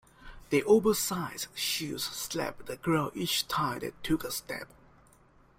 Their oversized shoes slapped the ground each time they took a step.